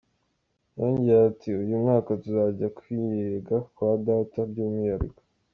Yongeyeho ati "Uyu mwaka tuzajya kwirega kwa Data by’umwihariko.